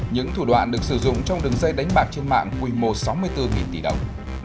những thủ đoạn được sử dụng trong đường dây đánh bạc trên mạng quy mô sáu mươi bốn tỷ đồng